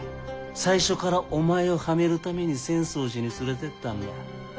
最初からお前をはめるために浅草寺に連れてったんだ。